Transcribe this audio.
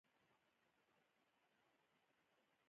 چینایي متل وایي وخت له طلا نه هم قیمتي دی.